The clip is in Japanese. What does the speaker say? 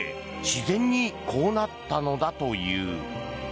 自然にこうなったのだという。